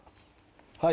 はい。